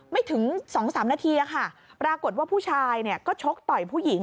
ไม่ถึง๒๓นาทีค่ะปรากฏว่าผู้ชายก็ชกต่อยผู้หญิง